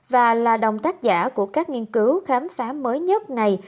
và là đồng tác giả của các nghiên cứu khám phá mới nhất này